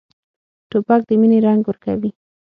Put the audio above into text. توپک د مینې رنګ ورکوي.